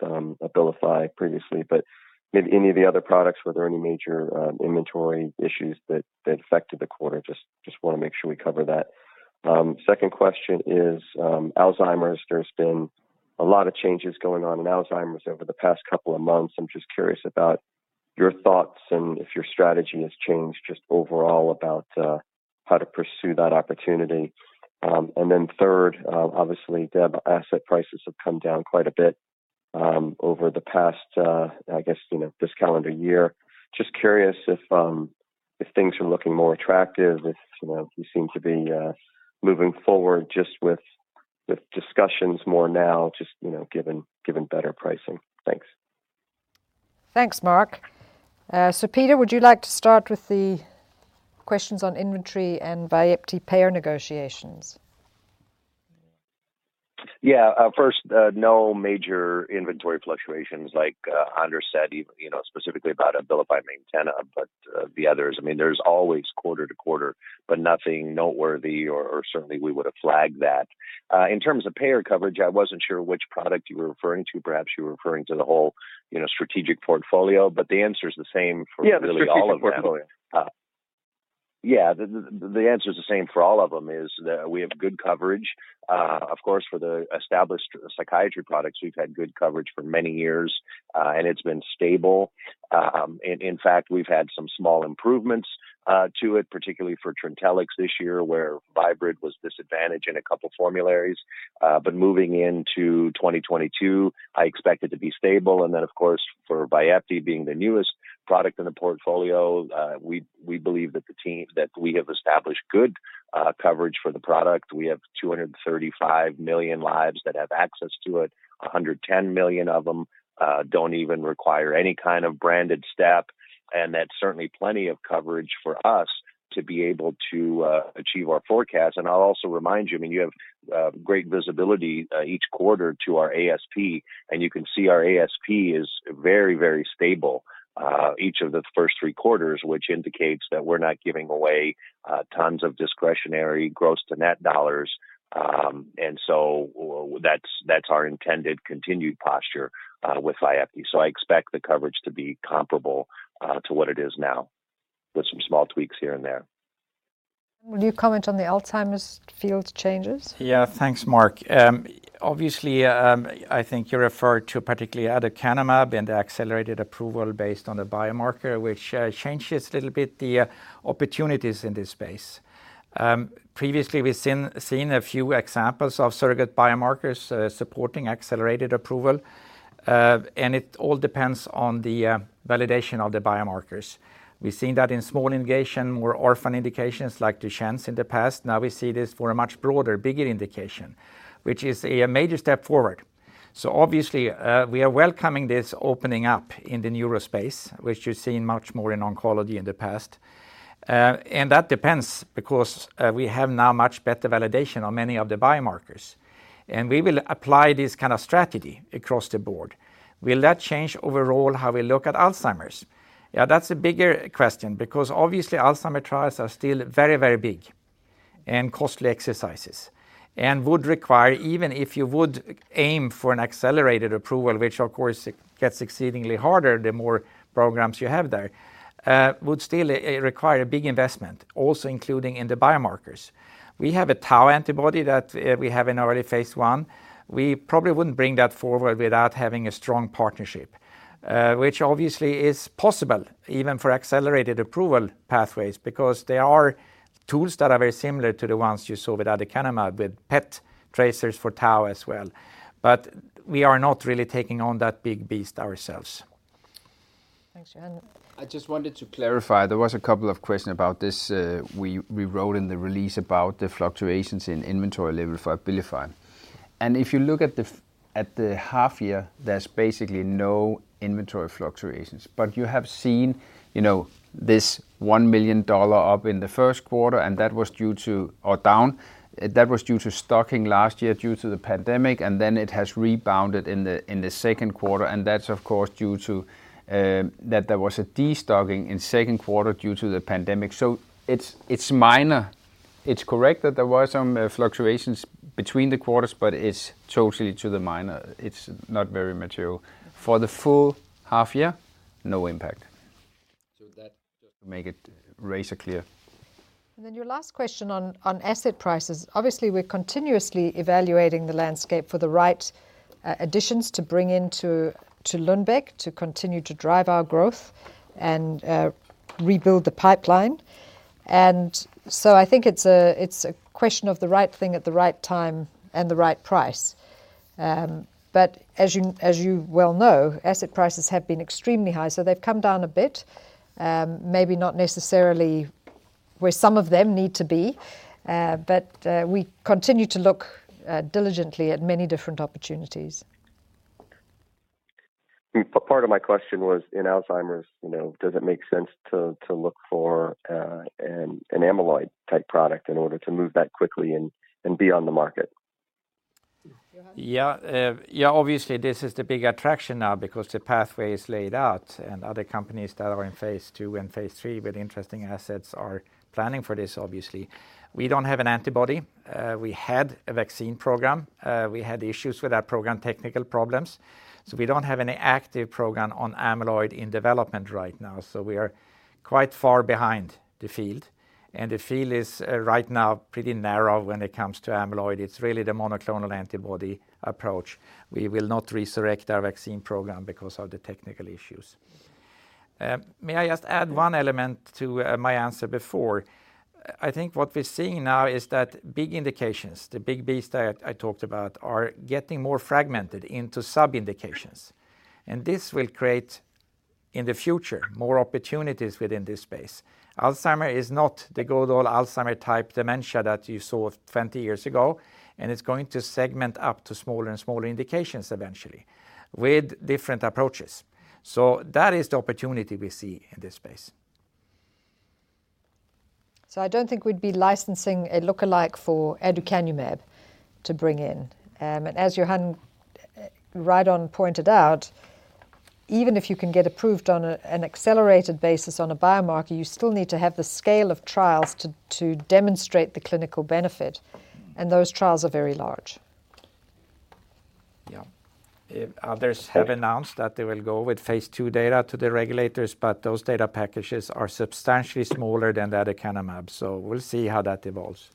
N: ABILIFY previously, but maybe any of the other products, were there any major inventory issues that affected the quarter? Just want to make sure we cover that. Second question is Alzheimer's. There's been a lot of changes going on in Alzheimer's over the past couple of months. I'm just curious about your thoughts and if your strategy has changed just overall about how to pursue that opportunity. Then third, obviously, dev asset prices have come down quite a bit over the past, I guess this calendar year. Just curious if. If things are looking more attractive, if we seem to be moving forward just with discussions more now, just given better pricing. Thanks.
B: Thanks, Marc. Peter, would you like to start with the questions on inventory and VYEPTI payer negotiations?
H: First, no major inventory fluctuations like Anders Götzsche said, specifically about ABILIFY MAINTENA. The others, there's always quarter to quarter, but nothing noteworthy or certainly we would have flagged that. In terms of payer coverage, I wasn't sure which product you were referring to. Perhaps you were referring to the whole strategic portfolio, the answer's the same for really all of them.
B: Yeah, the strategic portfolio.
H: Yeah. The answer is the same for all of them is that we have good coverage. Of course, for the established psychiatry products, we've had good coverage for many years, and it's been stable. In fact, we've had some small improvements to it, particularly for TRINTELLIX this year, where Viibryd was disadvantaged in a couple of formularies. Moving into 2022, I expect it to be stable. Of course, for VYEPTI being the newest product in the portfolio, we believe that we have established good coverage for the product. We have 235 million lives that have access to it. 110 million of them don't even require any kind of branded step, and that's certainly plenty of coverage for us to be able to achieve our forecast. I'll also remind you have great visibility each quarter to our ASP, and you can see our ASP is very, very stable each of the first three quarters, which indicates that we're not giving away tons of discretionary gross to net USD. That's our intended continued posture with VYEPTI. I expect the coverage to be comparable to what it is now with some small tweaks here and there.
B: Will you comment on the Alzheimer's field changes?
D: Thanks, Marc. Obviously, I think you referred to particularly aducanumab and the accelerated approval based on the biomarker, which changes a little bit the opportunities in this space. Previously, we've seen a few examples of surrogate biomarkers supporting accelerated approval. It all depends on the validation of the biomarkers. We've seen that in small indication where orphan indications like Duchenne's in the past. Now we see this for a much broader, bigger indication, which is a major step forward. Obviously, we are welcoming this opening up in the neuro space, which you've seen much more in oncology in the past. That depends because we have now much better validation on many of the biomarkers, and we will apply this kind of strategy across the board. Will that change overall how we look at Alzheimer's? Yeah, that's a bigger question because obviously Alzheimer's trials are still very big and costly exercises, and would require, even if you would aim for an accelerated approval, which of course gets exceedingly harder the more programs you have there, would still require a big investment, also including in the biomarkers. We have a tau antibody that we have in early phase I. We probably wouldn't bring that forward without having a strong partnership, which obviously is possible even for accelerated approval pathways because there are tools that are very similar to the ones you saw with aducanumab, with PET tracers for tau as well. We are not really taking on that big beast ourselves.
B: Thanks, Johan.
C: I just wanted to clarify, there was a couple of questions about this. We wrote in the release about the fluctuations in inventory level for ABILIFY. If you look at the half year, there's basically no inventory fluctuations. You have seen this DKK 1 million up in the Q1, or down, that was due to stocking last year due to the pandemic, then it has rebounded in the Q2, that's of course due to that there was a destocking in Q2 due to the pandemic. It's minor. It's correct that there were some fluctuations between the quarters, but it's totally to the minor. It's not very material. For the full half year, no impact. That just to make it razor clear.
B: Then your last question on asset prices. Obviously, we're continuously evaluating the landscape for the right additions to bring into Lundbeck to continue to drive our growth and rebuild the pipeline. I think it's a question of the right thing at the right time and the right price. As you well know, asset prices have been extremely high. They've come down a bit, maybe not necessarily where some of them need to be, but we continue to look diligently at many different opportunities.
N: Part of my question was in Alzheimer's, does it make sense to look for an amyloid type product in order to move that quickly and be on the market?
B: Johan.
D: Yeah. Obviously, this is the big attraction now because the pathway is laid out. Other companies that are in phase II and phase III with interesting assets are planning for this, obviously. We don't have an antibody. We had a vaccine program. We had issues with our program, technical problems, so we don't have any active program on amyloid in development right now, so we are quite far behind the field. The field is right now pretty narrow when it comes to amyloid. It's really the monoclonal antibody approach. We will not resurrect our vaccine program because of the technical issues. May I just add one element to my answer before? I think what we're seeing now is that big indications, the big beasts that I talked about, are getting more fragmented into sub-indications. This will create, in the future, more opportunities within this space. Alzheimer's is not the good old Alzheimer's type dementia that you saw 20 years ago. It's going to segment up to smaller and smaller indications eventually with different approaches. That is the opportunity we see in this space.
B: I don't think we'd be licensing a lookalike for aducanumab to bring in. As Johan right on pointed out, even if you can get approved on an accelerated basis on a biomarker, you still need to have the scale of trials to demonstrate the clinical benefit, and those trials are very large.
D: Yeah. Others have announced that they will go with phase II data to the regulators. Those data packages are substantially smaller than aducanumab. We'll see how that evolves.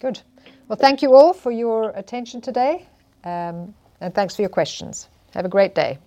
B: Good. Well, thank you all for your attention today, and thanks for your questions. Have a great day.